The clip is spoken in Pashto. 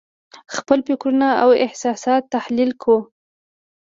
خپل فکرونه او احساسات تحلیل کوو.